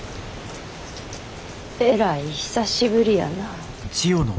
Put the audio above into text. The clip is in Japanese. えらい久しぶりやなあ。